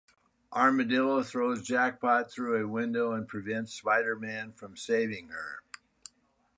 Armadillo throws Jackpot through a window and prevents Spider Man from saving her.